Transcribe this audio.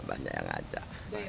banyak yang ajak